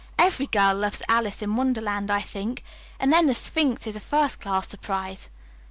Every girl loves 'Alice in Wonderland,' I think. And then the Sphinx is a first class surprise."